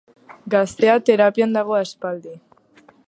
Gaztea terapian dago aspaldi.